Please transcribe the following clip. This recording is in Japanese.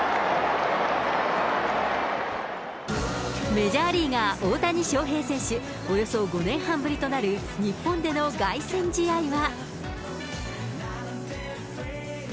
メジャーリーガー、大谷翔平選手、およそ５年半ぶりとなる日本での凱旋試合は。